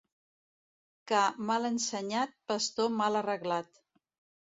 Ca mal ensenyat, pastor mal arreglat.